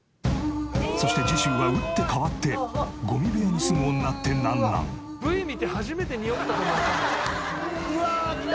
そして次週は打って変わってゴミ部屋に住む女ってなんなん？うわきた！